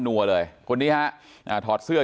นัวเลยคนนี้ฮะอ่าถอดเสื้อ